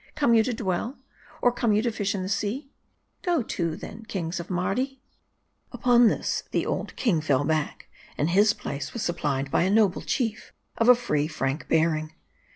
come you to dwell ? or come you to fish in the sea ?' Go to, then, kings of Mardi !" Upon this, the old king fell back ; and his place was supplied by a noble chief, of a free, frank bearing.